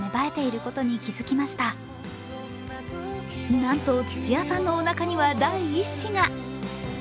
なんと土屋さんのおなかには第１子が。